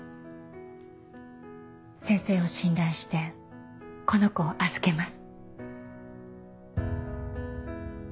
先生を信頼してこの子を預けます。